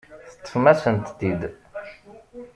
Teṭṭfem-asent-t-id.